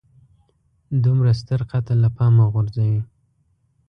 دومره ستر قتل له پامه وغورځوي.